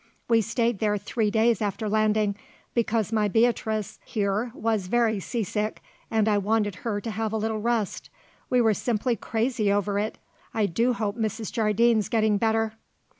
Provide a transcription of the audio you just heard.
We stayed there three days after landing, because my Beatrice here was very sea sick and I wanted her to have a little rest. We were simply crazy over it. I do hope Mrs. Jardine's getting better."